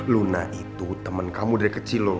luna itu teman kamu dari kecil loh